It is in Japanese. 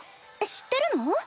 知ってるの？